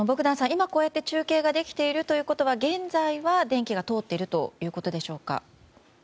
今こうやって中継ができているということは現在は電気が通っているということでしょうか。